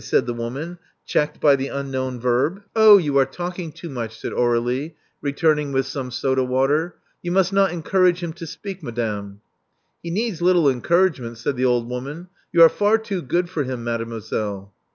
said the woman, checked by the unknown verb. Love Among the Artists 351 Oh, you are talking too much," said Aurflie, returning with some soda water. *'You must not encourage him to speak, madame." He needs little encouragement," said the old woman. You are far too good for him, made moiselle."